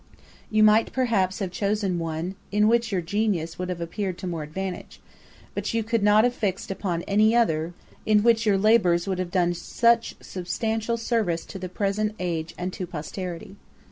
You might, perhaps, have chosen one in which your genius would have appeared to more advantage; but you could not have fixed upon any other in which your labours would have done such substantial service to the present age and to posterity.